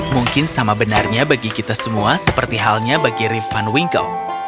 mungkin sama benarnya bagi kita semua seperti halnya bagi rip van winkle